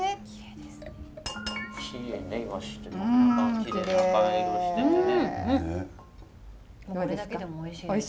これだけでもおいしいです。